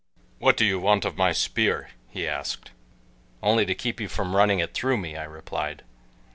"What do you want of my spear?" he asked. "Only to keep you from running it through me," I replied.